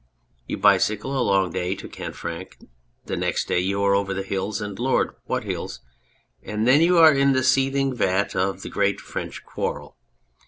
v You bicycle a long day to Canfranc, the next day you are over the hills (and Lord ! what hills), and there you are in the seething vat of the great French quarrel.